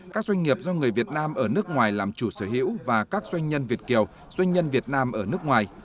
các doanh nghiệp do người việt nam ở nước ngoài làm chủ sở hữu và các doanh nhân việt kiều doanh nhân việt nam ở nước ngoài